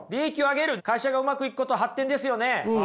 会社がうまくいくこと発展ですよね。